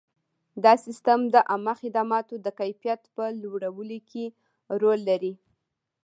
دا سیستم د عامه خدماتو د کیفیت په لوړولو کې رول لري.